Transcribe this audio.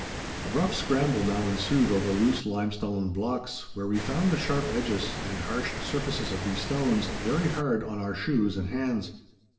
A rough scramble now ensued over loose limestone blocks, where we found the sharp edges, and harsh surfaces of these stones, very hard on our shoes and hands.